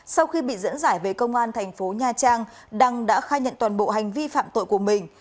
sau khi bị dẫn giải về công an thành phố nha trang đăng đã khai nhận toàn bộ hành vi phạm tội của mình